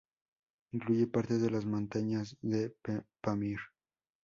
Incluye partes de las montañas de Pamir.